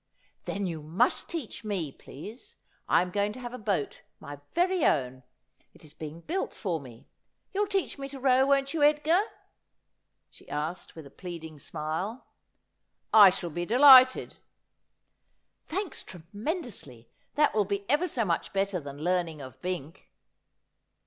' Then you must teach me, please. I am going to have a boat, my very own. It is being built for me. You'll teach me to row, won't you, Edgar ?' she asked with a pleading smile. ' I shall be delighted.' ' Thanks tremendously. That will be ever so much better than learning of Bink.'